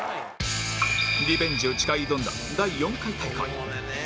リベンジを誓い挑んだ第４回大会